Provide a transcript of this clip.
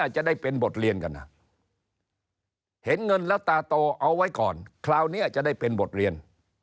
จะได้เป็นบทเรียนกันเห็นเงินแล้วตาโตเอาไว้ก่อนคราวนี้จะได้เป็นบทเรียน